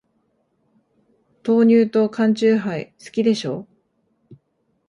豆乳と缶チューハイ、好きでしょ。